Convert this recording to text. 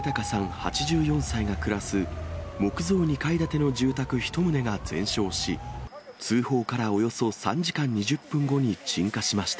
８４歳が暮らす木造２階建ての住宅１棟が全焼し、通報からおよそ３時間２０分後に鎮火しました。